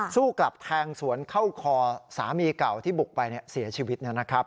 สู้กลับแทงสวนเข้าคอสามีเก่าที่บุกไปเสียชีวิต